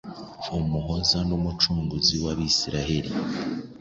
Umuhoza n’Umucunguzi w’Abisiraheli.